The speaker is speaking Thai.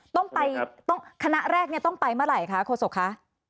ต้องไปต้องคณะแรกต้องไปเมื่อไหร่คะโฆษกคะ